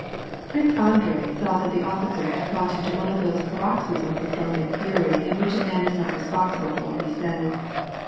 Prince Andrei saw that the officer had got into one of those paroxysms of drunken fury in which a man is not responsible for what he says.